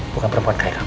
bukan perempuan kayak kamu